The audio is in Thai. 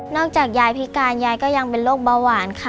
จากยายพิการยายก็ยังเป็นโรคเบาหวานค่ะ